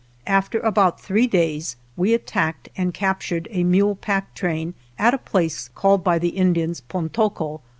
After about three days we attacked and captured a mule pack train at a place called by the Indians " Pontoco."